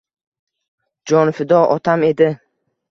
Jonfido otam edi.